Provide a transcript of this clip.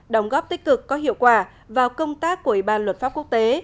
đóng góp tích cực có hiệu quả vào công tác của ủy ban luật pháp quốc tế